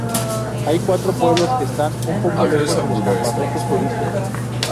Hay cuatro pueblos que están un poco lejos de los campamentos turísticos.